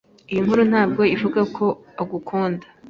Iyi nkuru ntabwo ivuga ko ugukunda